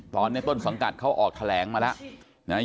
ตอนนี้ต้นสังกัดเขาออกแถลงมาแล้วนะ